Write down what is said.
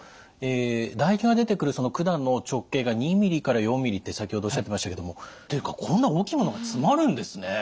唾液が出てくるその管の直径が２ｍｍから４ｍｍって先ほどおっしゃってましたけどもていうかこんな大きいものが詰まるんですね。